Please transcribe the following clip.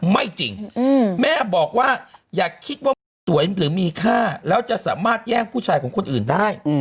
ไม่จริงแม่บอกว่าอย่าคิดว่าไม่สวยหรือมีค่าแล้วจะสามารถแย่งผู้ชายของคนอื่นได้